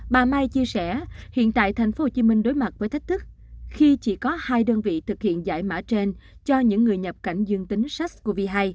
bà mai chia sẻ hiện tại thành phố hồ chí minh đối mặt với thách thức khi chỉ có hai đơn vị thực hiện giải mã trên cho những người nhập cảnh dương tính sars cov hai